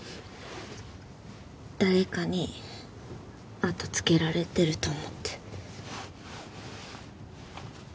誰かに後つけられてると思って。